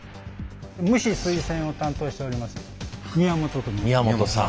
蒸し・水洗を担当しております宮本と申します。